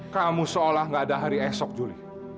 kamu seolah gak ada hari esok juli